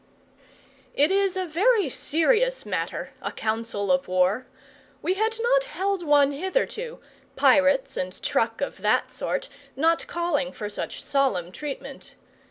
It is a very serious matter, a Council of War. We had not held one hitherto, pirates and truck of that sort not calling for such solemn treatment.